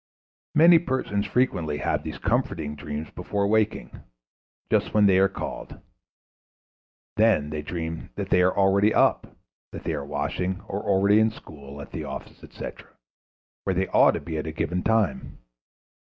Many persons frequently have these comforting dreams before waking, just when they are called. They then dream that they are already up, that they are washing, or already in school, at the office, etc., where they ought to be at a given time.